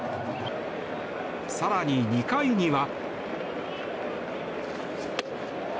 更に２回には。